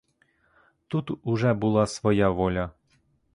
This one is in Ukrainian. Тут уже була своя воля.